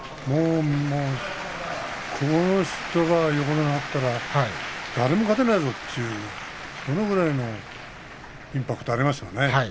この人が横綱になったら誰も勝てないぞというそのぐらいのインパクトがありましたね。